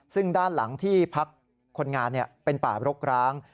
ซึ่งด้านหลังที่พักคนงานเป็นป่ารกร้าง